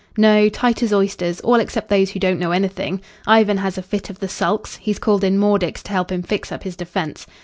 "No. Tight as oysters, all except those who don't know anything. Ivan has a fit of the sulks. He's called in Mordix to help him fix up his defence."